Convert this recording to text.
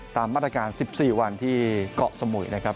ตามมาตรการ๑๔วันที่เกาะสมุยนะครับ